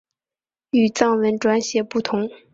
与藏文转写不同。